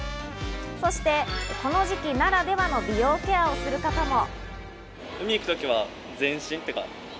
そしてこの時期ならではの美容ケアをする方も。